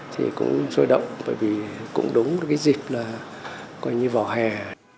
thì cũng rối động bởi vì cũng đúng cái dịp là coi như vào hè